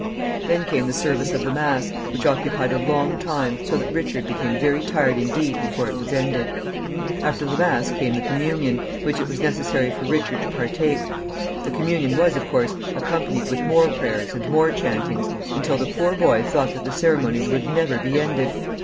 Then came the service of the mass, which occupied a long time, so that Richard became very tired indeed before it was ended. After the mass came the communion, which it was necessary for Richard to partake. The communion was, of course, accompanied with more prayers and more chantings, until the poor boy thought that the ceremonies would never be ended.